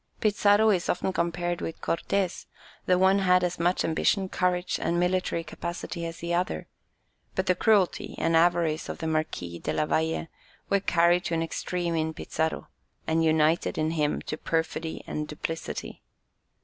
Pizarro is often compared with Cortès; the one had as much ambition, courage, and military capacity as the other; but the cruelty and avarice of the Marquis della Valle were carried to an extreme in Pizarro, and united in him to perfidy and duplicity.